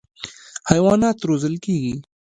حیوانات روزل کېږي.